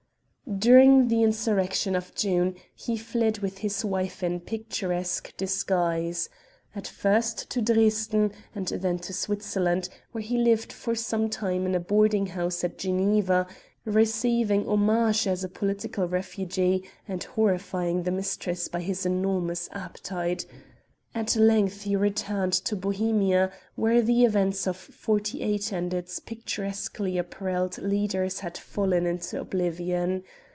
During the insurrection of June he fled with his wife in picturesque disguise; at first to Dresden, and then to Switzerland where he lived for some time in a boarding house at Geneva, receiving homage as a political refugee, and horrifying the mistress by his enormous appetite. At length he returned to Bohemia where the events of forty eight and its picturesquely aparelled leaders had fallen into oblivion.